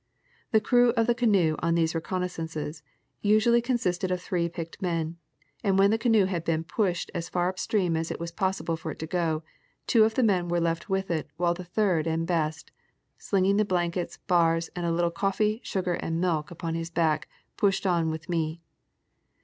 The crew of the canoe on these reconnaissances usually con sisted of three picked men, and when the canoe had been pushed as far up stream as it was possible for it to go, two of the men were left with it while the third and best, slinging the blankets, bars, and a little coffee, sugar, and milk, upon his back pushed on with me.